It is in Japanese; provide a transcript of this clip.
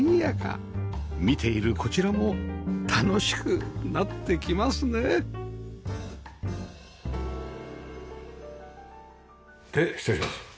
見ているこちらも楽しくなってきますねで失礼します。